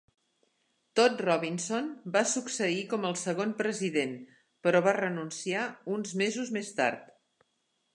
Todd Robinson va succeir com el segon president, però va renunciar uns mesos més tard.